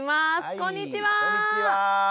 こんにちは。